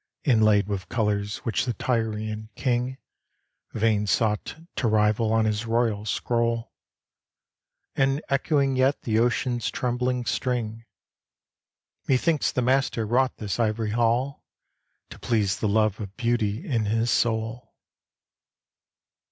Inlaid with colors which the Tyrian King Vain sought to rival on his royal scroll, And echoing yet the ocean's trembling string: Methinks the Master wrought this ivory hall To please the love of beauty in His soul.